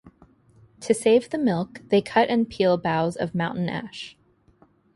To save the milk they cut and peel boughs of mountain-ash.